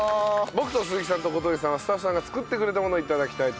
僕と鈴木さんと小峠さんはスタッフさんが作ってくれたものを頂きたいと思います。